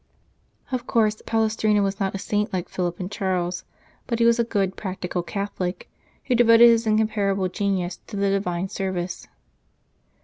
Of course, Palestrina was not a saint like Philip and Charles, but he was a good practical Catholic, who devoted his incomparable genius to the Divine service.